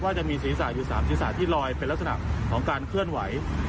จะมีศีรษะอยู่๓ศีรษะที่ลอยเป็นลักษณะของการเคลื่อนไหว